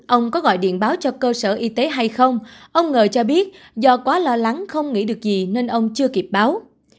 ông có gọi điện báo cho cơ sở y tế hay không ông ngờ cho biết do quá lo lắng không nghĩ được gì nên ông chưa kịp báo